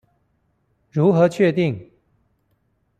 如何確定？